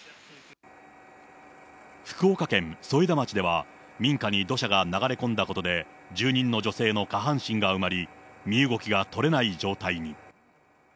福岡県添田町では、民家に土砂が流れ込んだことで、住人の女性の下半身が埋まり、身動きが取れない状態に。